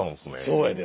そうやで。